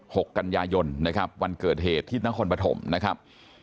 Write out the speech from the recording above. หกกันยายนนะครับวันเกิดเหตุที่นครปฐมนะครับ